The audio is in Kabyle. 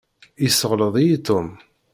Yesseɣleḍ-iyi Tom.